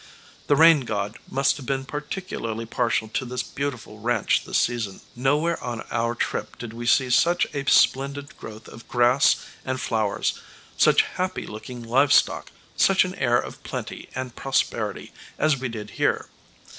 The rain god must have been particularly partial to this beautiful ranch this season. Nowhere on our trip did we see such a splendid growth of grass and flowers, such happy looking livestock, such an air of plenty and prosperity as we did here.